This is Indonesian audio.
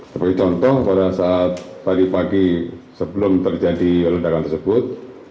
sebagai contoh pada saat tadi pagi sebelum terjadi ledakan tersebut